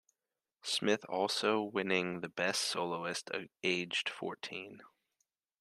Smith also winning the Best Soloist, aged fourteen.